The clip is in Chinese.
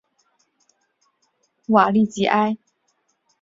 瓦利吉埃。